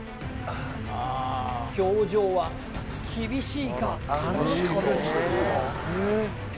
表情は厳しいか？